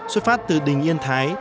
xuất phát từ đình yên thái